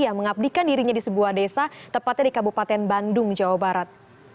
yang mengabdikan dirinya di sebuah desa tepatnya di kabupaten bandung jawa barat